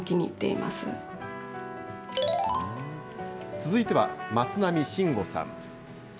続いては、松波慎悟さん。